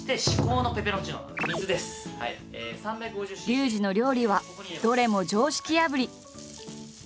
リュウジの料理はどれも常識破り。